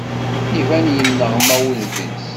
Iban yenneɣna wudem-is.